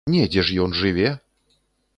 Недзе ж ён жыве!